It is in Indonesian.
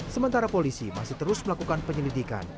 sementara polisi masih terus melakukan penyelidikan